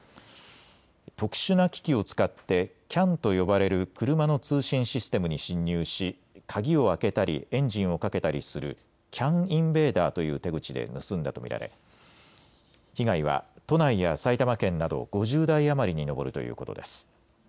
特殊な機器を使ってＣＡＮと呼ばれる車の通信システムに侵入し鍵を開けたりエンジンをかけたりするＣＡＮインベーダーという手口で盗んだと見られ、被害は都内や埼玉県など５０台余りに上るということです。